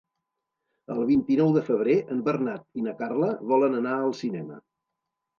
El vint-i-nou de febrer en Bernat i na Carla volen anar al cinema.